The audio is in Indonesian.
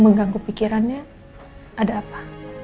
mengganggu pikirannya ada apa